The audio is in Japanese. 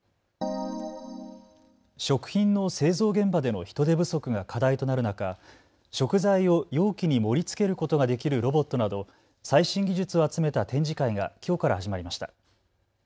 食品の製造現場での人手不足が課題となる中、食材を容器に盛りつけることができるロボットなど最新技術を集めた展示会がきょうから始まりました。